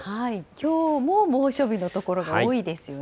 きょうも猛暑日の所が多いですよね。